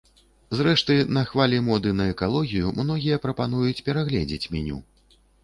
Зрэшты, на хвалі моды на экалогію многія прапануюць перагледзець меню.